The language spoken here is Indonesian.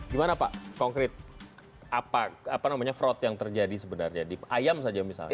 gimana pak konkret apa namanya fraud yang terjadi sebenarnya di ayam saja misalnya